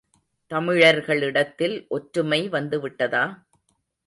தமிழர்களிடத்தில் ஒற்றுமை வந்து விட்டதா?